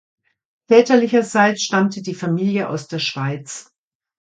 Väterlicherseits stammte die Familie aus der Schweiz.